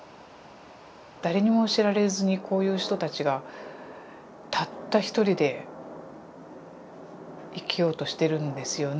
誰にも知られずにこういう人たちがたった一人で生きようとしてるんですよね。